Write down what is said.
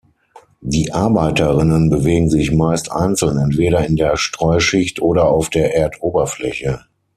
Die Arbeiterinnen bewegen sich meist einzeln, entweder in der Streuschicht oder auf der Erdoberfläche.